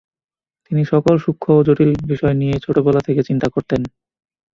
তিনি সকল সূক্ষ্ম ও জটিল বিষয় নিয়ে ছোটবেলা থেকে চিন্তা করতেন।